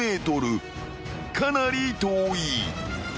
［かなり遠い］